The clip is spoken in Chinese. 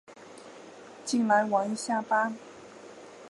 进来玩一下吧